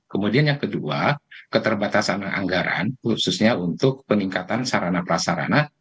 kemudian yang kedua keterbatasan anggaran khususnya untuk peningkatan sarana prasarana